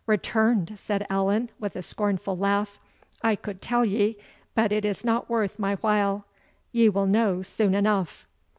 "Returned!" said Allan, with a scornful laugh; "I could tell ye, but it is not worth my while; ye will know soon enough."